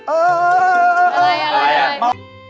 เออเอออะไรอะไร